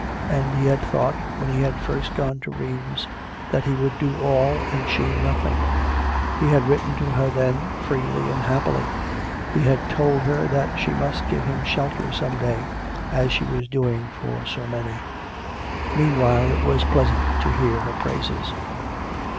And he had thought, when he had first gone to Rheims, that he would do all and she nothing ! He had written to her then, freely and happily. He had told her that she must give him shelter some day, as she was doing for so many. Meanwhile it was pleasant to hear her praises.